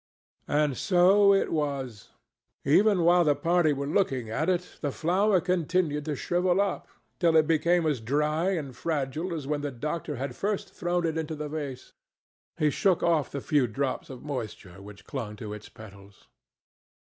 And so it was. Even while the party were looking at it the flower continued to shrivel up, till it became as dry and fragile as when the doctor had first thrown it into the vase. He shook off the few drops of moisture which clung to its petals.